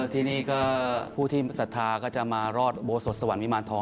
ที่นี่ก็ผู้ที่ศรัทธาก็จะมารอดโบสถสวรรวิมารทอง